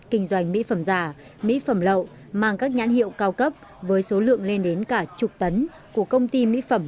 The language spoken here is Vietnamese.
kinh doanh mỹ phẩm giả mỹ phẩm lậu mang các nhãn hiệu cao cấp với số lượng lên đến cả chục tấn của công ty mỹ phẩm